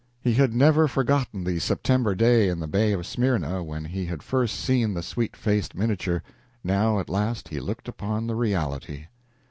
He had never forgotten the September day in the Bay of Smyrna when he had first seen the sweet faced miniature now, at last he looked upon the reality.